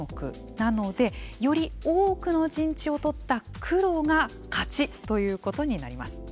なのでより多くの陣地を取った黒が勝ちということになります。